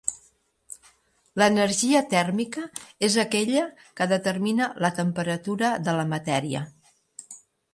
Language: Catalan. L'energia tèrmica és aquella que determina la temperatura de la matèria.